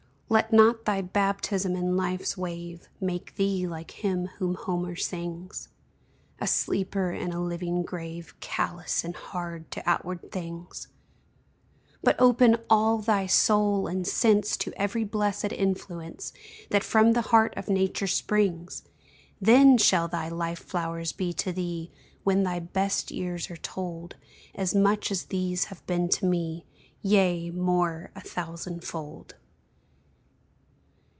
Let not thy baptism in Life's wave Make thee like him whom Homer sings A sleeper in a living grave, Callous and hard to outward things; But open all thy soul and sense To every blessèd influence That from the heart of Nature springs: Then shall thy Life flowers be to thee, When thy best years are told, As much as these have been to me Yea, more, a thousand fold!